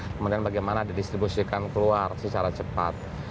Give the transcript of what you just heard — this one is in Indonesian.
kemudian bagaimana didistribusikan keluar secara cepat